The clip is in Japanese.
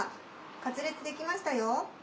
カツレツ出来ましたよ。